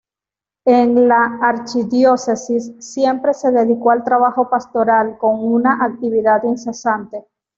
En la archidiócesis, siempre se dedicó al trabajo pastoral, con una actividad incesante.